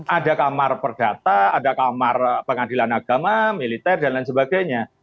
ada kamar perdata ada kamar pengadilan agama militer dan lain sebagainya